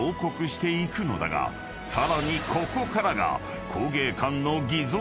［さらにここからが］